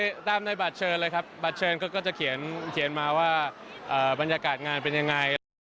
ครับก็ตามในบัตรเชิญเลยครับบัตรเชิญก็จะเขียนมาว่าบรรยากาศงานเป็นยังไง